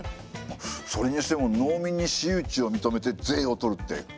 それにしても農民に私有地を認めて税をとるって国も考えましたね。